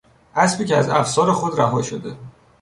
اسبی که از افسار خود رها شده